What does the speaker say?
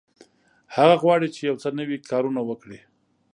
هغه غواړي چې یو څه نوي کارونه وکړي.